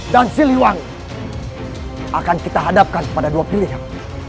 dan siliwangi akan kita hadapkan pada dua pilihan